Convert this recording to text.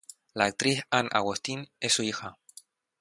La actriz Ann Augustine es su hija.